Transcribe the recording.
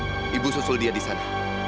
ibu susul dia di sana